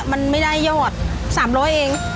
มันไม่ได้ยอด๓๐๐เอง